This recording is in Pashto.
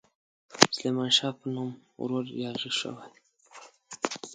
سلیمان شاه په نوم ورور یاغي شوی.